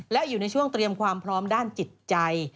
และอยู่ในช่วงเตรียมความพร้อมด้านจิตใจ